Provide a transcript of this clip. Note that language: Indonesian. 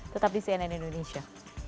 tetap di cnn indonesia